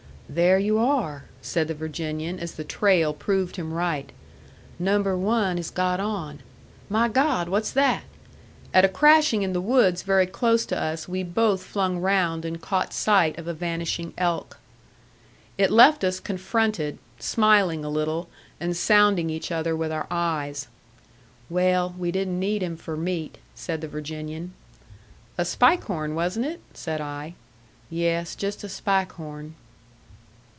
"There you are," said the Virginian, as the trail proved him right. "Number one has got on. My God, what's that?" At a crashing in the woods very close to us we both flung round and caught sight of a vanishing elk. It left us confronted, smiling a little, and sounding each other with our eyes. "Well, we didn't need him for meat," said the Virginian. "A spike horn, wasn't it?" said I. "Yes, just a spike horn."